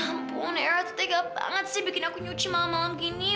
aduh lepasin gue deh nih